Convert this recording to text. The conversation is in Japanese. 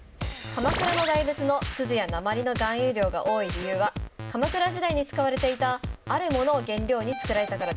鎌倉の大仏の錫や鉛の含有量が多い理由は鎌倉時代に使われていたある物を原料に造られたからです。